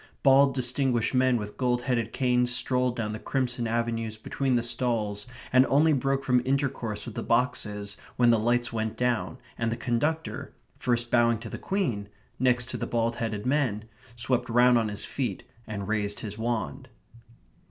Bald distinguished men with gold headed canes strolled down the crimson avenues between the stalls, and only broke from intercourse with the boxes when the lights went down, and the conductor, first bowing to the Queen, next to the bald headed men, swept round on his feet and raised his wand.